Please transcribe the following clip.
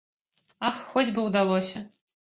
Ах, хоць бы ўдалося!